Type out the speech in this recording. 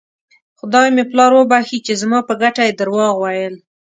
خدای مې پلار وبښي چې زما په ګټه یې درواغ ویل.